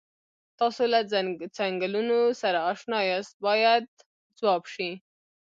تاسو له څنګلونو سره اشنا یاست باید ځواب شي.